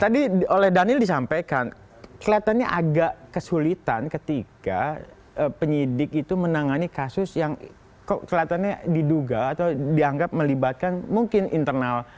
tadi oleh daniel disampaikan kelihatannya agak kesulitan ketika penyidik itu menangani kasus yang kelihatannya diduga atau dianggap melibatkan mungkin internal